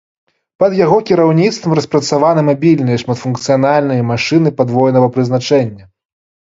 Пад яго кіраўніцтвам распрацаваны мабільныя шматфункцыянальныя машыны падвойнага прызначэння.